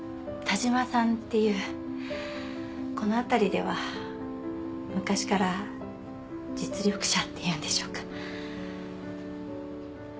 田島さんっていうこの辺りでは昔から実力者っていうんでしょうか。